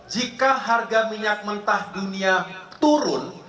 jika harga minyak mentah dunia turun